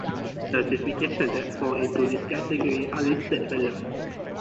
Certifications that fall into this category are listed below.